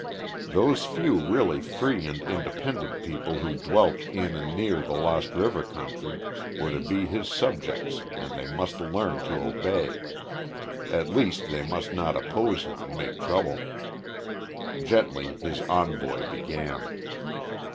Those few really free and independent people who dwelt in and near the Lost River country were to be his subjects and they must learn to obey. At least they must not oppose him and make trouble. Gently his envoy began.